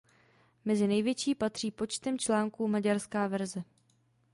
Mezi největší patří počtem článků maďarská verze.